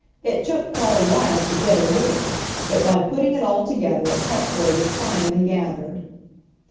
It took quite a while to get a little, but by putting it all together a cupful was finally gathered.